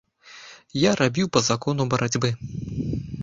Я рабіў па закону барацьбы.